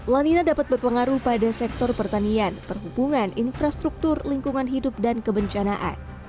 lanina dapat berpengaruh pada sektor pertanian perhubungan infrastruktur lingkungan hidup dan kebencanaan